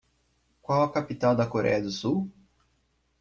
Qual a capital da Coreia do Sul?